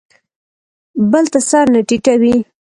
بل ته سر نه ټیټوي.